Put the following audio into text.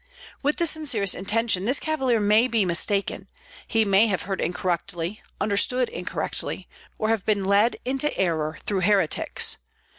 With the sincerest intention this cavalier may be mistaken; he may have heard incorrectly, understood incorrectly, or have been led into error through heretics.